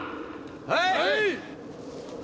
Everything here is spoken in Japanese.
はい！